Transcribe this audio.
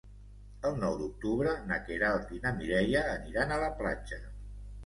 El nou d'octubre na Queralt i na Mireia aniran a la platja.